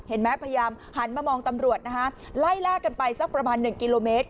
พยายามหันมามองตำรวจนะฮะไล่ล่ากันไปสักประมาณ๑กิโลเมตร